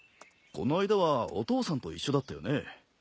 この間はお父さんと一緒だったよね。